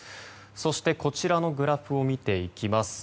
そしてこちらのグラフを見ていきます。